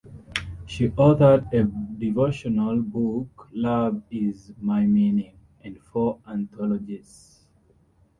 She authored a devotional book, "Love Is My Meaning" and four anthologies.